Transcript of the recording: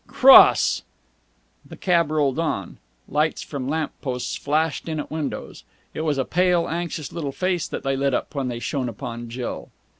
"Cross!" The cab rolled on. Lights from lamp posts flashed in at windows. It was a pale, anxious little face that they lit up when they shone upon Jill.